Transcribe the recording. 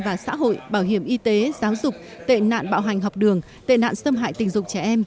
và xã hội bảo hiểm y tế giáo dục tệ nạn bạo hành học đường tệ nạn xâm hại tình dục trẻ em